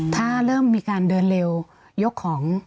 ถ้าเริ่มมีการเดินเร็วยกของ